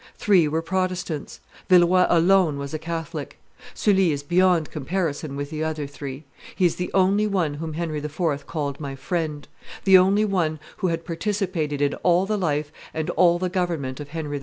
Three were Protestants; Villeroi alone was a Catholic. Sully is beyond comparison with the other three. He is the only one whom Henry IV. called my friend; the only one who had participated in all the life and all the government of Henry IV.